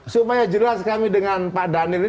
supaya jelas kami dengan pak daniel ini